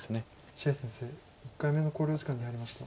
謝先生１回目の考慮時間に入りました。